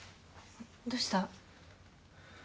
どうした？